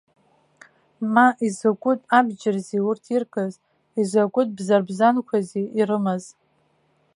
Ма изакәытә абџьарзи урҭ иркыз, изакәытә бзарбзанқәази ирымаз!